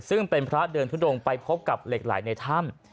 ซึ่งเป็นพระเดินทุดงไปพบกับเหล็กไหลในถ้ำ